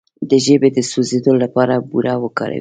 د ژبې د سوځیدو لپاره بوره وکاروئ